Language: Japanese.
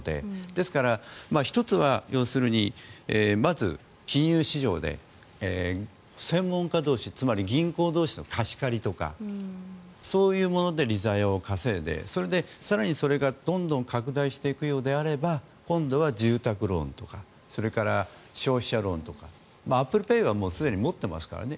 ですから、１つは要するにまず金融市場で専門家同士つまり銀行同士の貸し借りとかそういうもので利ざやを稼いで更にそれがどんどん拡大していくようであれば今度は住宅ローンとかそれから消費者ローンとかアップルペイはすでに持っていますからね。